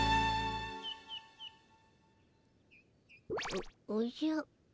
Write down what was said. おおじゃ。